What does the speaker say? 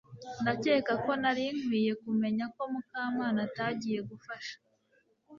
Ndakeka ko nari nkwiye kumenya ko Mukamana atagiye gufasha